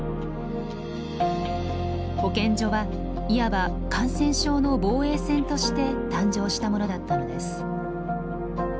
保健所はいわば感染症の防衛線として誕生したものだったのです。